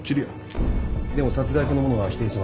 でも殺害そのものは否定してます。